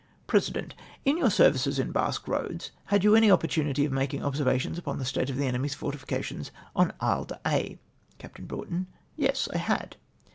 President. — "In your services in Basque lioads had you any opportunity of making ol^servations upon the state of the enemy's fortitications on Isle d'Aix ?" Capt. Broughton. —" Yes, I had."